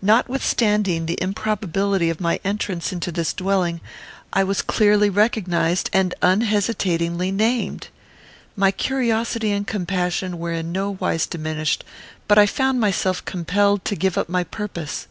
Notwithstanding the improbability of my entrance into this dwelling, I was clearly recognized and unhesitatingly named! My curiosity and compassion were in no wise diminished, but I found myself compelled to give up my purpose.